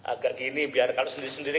agak gini biar kalau sendiri sendiri